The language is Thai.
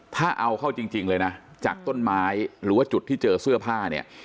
ถ้าเอาเข้าจริงเลยนะจากต้นไม้หรือว่าจุดที่เจอเสื้อผ้าเนี่ย